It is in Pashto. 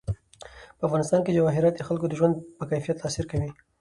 په افغانستان کې جواهرات د خلکو د ژوند په کیفیت تاثیر کوي.